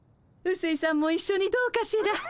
うすいさんもいっしょにどうかしら？